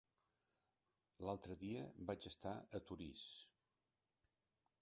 L'altre dia vaig estar a Torís.